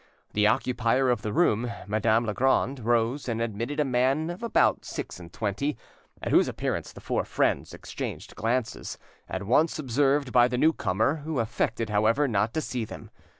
The occupier of the room, Madame Legrand, rose, and admitted a man of about six and twenty, at whose appearance the four friends exchanged glances, at once observed by the new comer, who affected, however, not to see them.